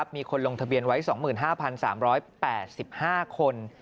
มีคนลงทะเบียนไว้๒๕๓๘๕คน